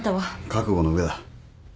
覚悟の上だ。